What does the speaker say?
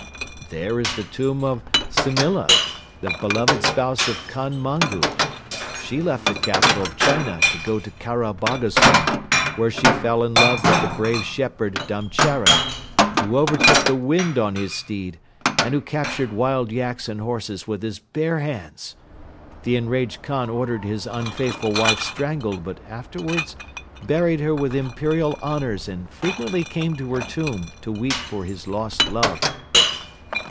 There is the tomb of Tsinilla, the beloved spouse of Khan Mangu. She left the capital of China to go to Khara Bolgasun, where she fell in love with the brave shepherd Damcharen, who overtook the wind on his steed and who captured wild yaks and horses with his bare hands. The enraged Khan ordered his unfaithful wife strangled but afterwards buried her with imperial honors and frequently came to her tomb to weep for his lost love."